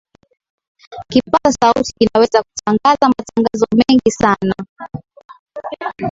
kipaza sauti kinaweza kutangaza matangazo mengi sana